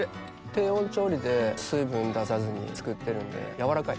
低温調理で水分出さずに作ってるんで軟らかい。